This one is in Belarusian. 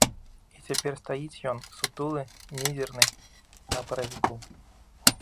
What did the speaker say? І цяпер стаіць ён, сутулы, мізэрны, на паравіку.